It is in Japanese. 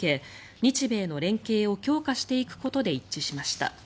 日米の連携を強化していくことで一致しました。